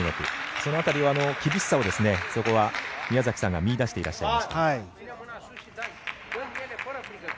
その辺り、厳しさをそこは宮崎さんが見いだしていらっしゃいました。